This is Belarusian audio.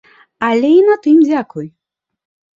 Але і на тым дзякуй!